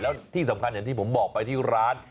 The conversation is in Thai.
แล้วที่สำคัญอย่างที่ผมบอกไปที่ร้าน